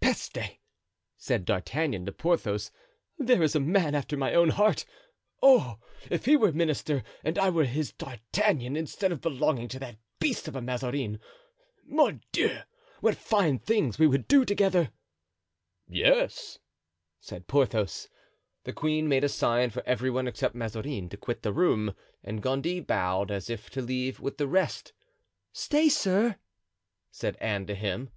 ("Peste!" said D'Artagnan to Porthos. "There is a man after my own heart. Oh! if he were minister and I were his D'Artagnan, instead of belonging to that beast of a Mazarin, mordieu! what fine things we would do together!" "Yes," said Porthos.) The queen made a sign for every one, except Mazarin, to quit the room; and Gondy bowed, as if to leave with the rest. "Stay, sir," said Anne to him.